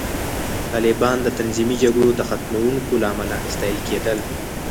طالبان د تنظیمي جګړو د ختموونکو له امله ستایل کېدل